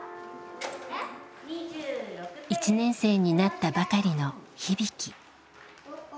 １年生になったばかりの日々貴。